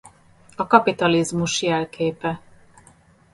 A kapitalizmus jelképe.